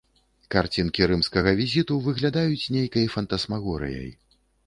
Карцінкі рымскага візіту выглядаюць нейкай фантасмагорыяй.